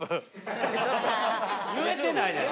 言えてないやん。